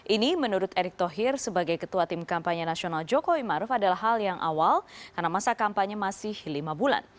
ini menurut erick thohir sebagai ketua tim kampanye nasional jokowi maruf adalah hal yang awal karena masa kampanye masih lima bulan